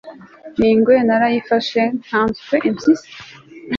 n'ingwe narayifashe nkanswe impyisi